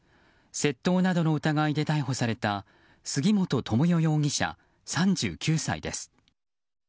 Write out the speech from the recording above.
窃盗などの疑いで逮捕された杉本智代容疑者、３９歳です。